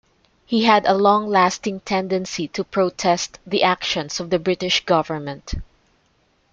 He had a long lasting tendency to protest the actions of the British government.